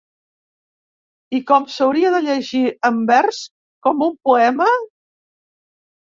I com s'hauria de llegir, en vers, com un poema?